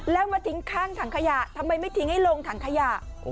แล้วมาทิ้งข้างถังขยะทำไมไม่ทิ้งให้ลงถังขยะ